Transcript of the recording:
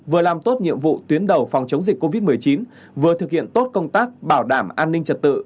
vừa làm tốt nhiệm vụ tuyến đầu phòng chống dịch covid một mươi chín vừa thực hiện tốt công tác bảo đảm an ninh trật tự